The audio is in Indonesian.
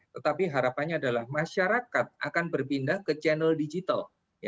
tetapi harapannya adalah masyarakat akan berpindah ke channel digital